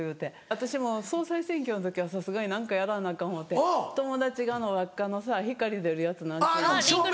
私も総裁選挙の時はさすがに何かやらなアカン思うて友達があの輪っかの光出るやつ何ていうの？